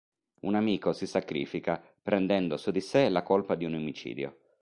Un amico si sacrifica, prendendo su di sé la colpa di un omicidio.